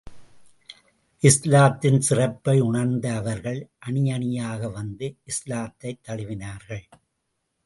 இஸ்லாத்தின் சிறப்பை உணர்ந்த அவர்கள் அணியணியாக வந்து இஸ்லாத்தைத் தழுவினார்கள்.